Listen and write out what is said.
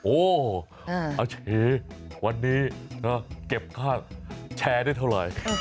โอ้อาเชเดี๋ยววันนี้เก็บข้าวแชร์ได้เท่าไร